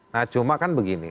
nah cuma kan begini